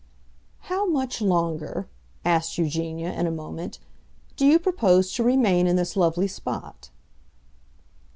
"How much longer," asked Eugenia, in a moment, "do you propose to remain in this lovely spot?"